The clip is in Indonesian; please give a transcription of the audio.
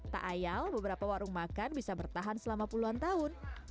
tak ayal beberapa warung makan bisa bertahan selama puluhan tahun